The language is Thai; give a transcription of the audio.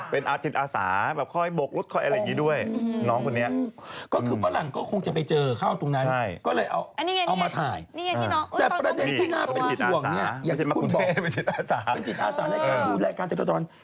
เป็นจิตอาศาในการดูแลการเจรัตน